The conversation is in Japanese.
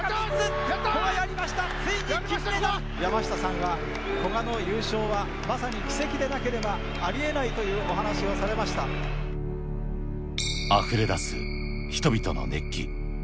山下さんが古賀の優勝はまさに奇跡でなければありえないというおあふれ出す、人々の熱気。